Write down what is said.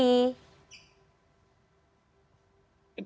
kan namanya tim delapan